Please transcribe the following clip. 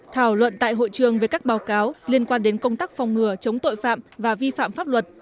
thảo luận tại hội trường về các báo cáo liên quan đến công tác phòng ngừa chống tội phạm và vi phạm pháp luật